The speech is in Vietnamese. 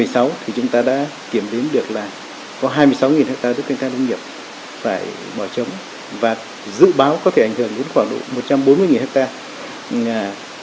năm hai nghìn một mươi sáu thì chúng ta đã kiểm biến được là có hai mươi sáu hectare nước cây ca đông nhập phải bỏ trống và dự báo có thể ảnh hưởng đến khoảng một trăm bốn mươi hectare